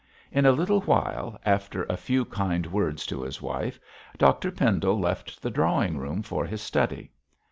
In a little while, after a few kind words to his wife, Dr Pendle left the drawing room for his study.